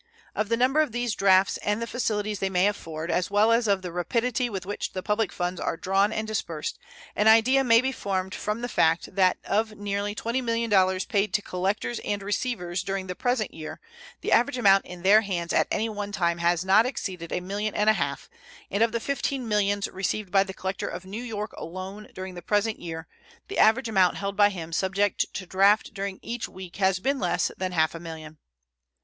Of the number of these drafts and the facilities they may afford, as well as of the rapidity with which the public funds are drawn and disbursed, an idea may be formed from the fact that of nearly $20,000,000 paid to collectors and receivers during the present year the average amount in their hands at any one time has not exceeded a million and a half, and of the fifteen millions received by the collector of New York alone during the present year the average amount held by him subject to draft during each week has been less than half a million.